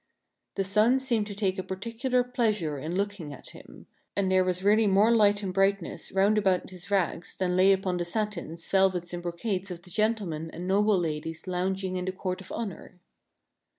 The sun seemed to take a particular pleas ure in looking at him ; and there was really more light and brightness round about his rags than lay upon the satins, vel vets, and brocades of the gentlemen and noble ladies lounging in the court of honor.